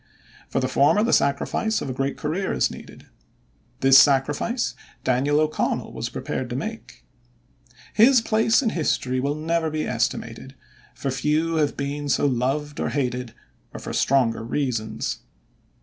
For the former the sacrifice of a great career is needed. This sacrifice Daniel O'Connell was prepared to make. His place in history will never be estimated, for few have been so loved or hated, or for stronger reasons.